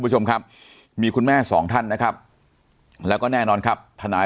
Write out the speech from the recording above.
คุณผู้ชมครับมีคุณแม่สองท่านนะครับแล้วก็แน่นอนครับทนาย